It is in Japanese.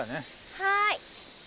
はい。